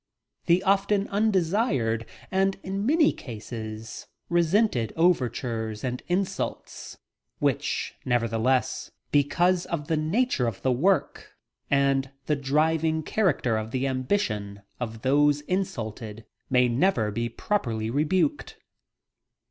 The often undesired and in many cases resented overtures and insults which, nevertheless, because of the nature of the work and the driving character of the ambition of those insulted, may never be properly rebuked!